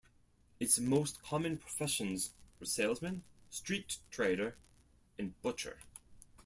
Its most common professions were salesman, street trader and butcher.